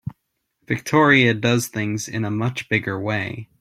Victoria does things in a much bigger way.